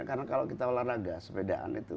karena kalau kita olahraga sepedaan itu